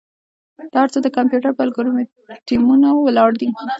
دا هر څه د کمپیوټر پر الگوریتمونو ولاړ دي.